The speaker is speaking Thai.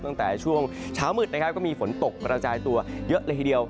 ตั้งแต่ช่วงเช้ามืดนะครับก็มีฝนตกกระจายตัวเยอะเลยทีเดียว